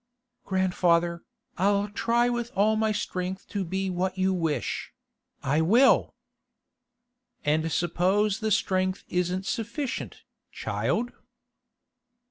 'Grandfather, I'll try with all my strength to be what you wish—I will!' 'And suppose the strength isn't sufficient, child?